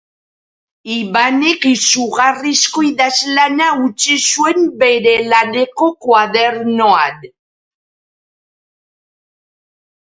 Ibanek izugarrizko idazlana utzi zuen bere laneko koadernoan.